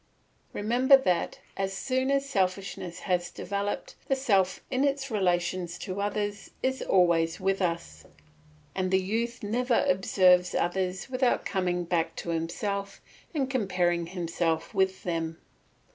Remember that, as soon as selfishness has developed, the self in its relations to others is always with us, and the youth never observes others without coming back to himself and comparing himself with them.